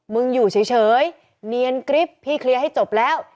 อยู่เฉยเนียนกริ๊บพี่เคลียร์ให้จบแล้ว